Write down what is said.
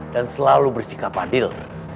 dan selalu bersikap adil